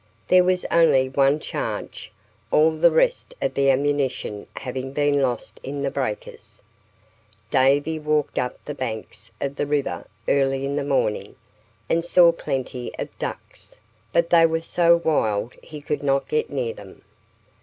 There was only one charge, all the rest of the ammunition having been lost in the breakers. Davy walked up the banks of the river early in the morning, and saw plenty of ducks, but they were so wild he could not get near them.